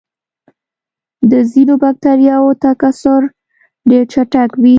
د ځینو بکټریاوو تکثر ډېر چټک وي.